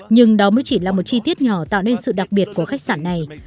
nhưng đó mới chỉ là một chi tiết nhỏ tạo nên sự đặc biệt của khách sạn này